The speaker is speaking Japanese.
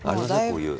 こういう。